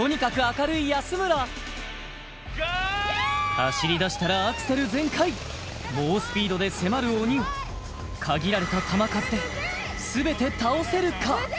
走り出したらアクセル全開猛スピードで迫る鬼を限られた弾数で全て倒せるか？